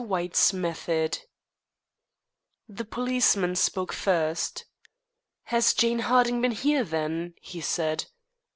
WHITE'S METHOD The policeman spoke first. "Has Jane Harding been here, then?" he said.